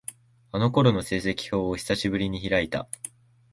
あの頃の成績表を、久しぶりに開いた。